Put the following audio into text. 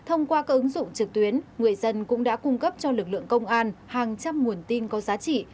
ứng dụng trực tuyến người dân cũng đã cung cấp cho lực lượng công an hàng trăm nguồn tin có giá trị